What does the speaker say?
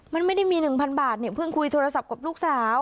มันไม่ได้มี๑๐๐บาทเนี่ยเพิ่งคุยโทรศัพท์กับลูกสาว